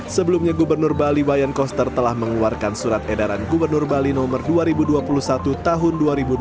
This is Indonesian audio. sebelumnya gubernur bali wayan koster telah mengeluarkan surat edaran gubernur bali nomor dua ribu dua puluh satu tahun dua ribu dua puluh